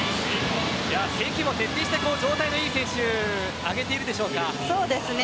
関は徹底して状態のいい選手に上げているでしょうか。